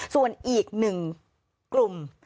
ส่วนอีก๑กลุ่ม